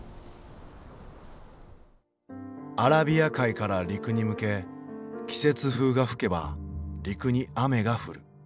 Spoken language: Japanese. アラビア海から陸に向け季節風が吹けば陸に雨が降る。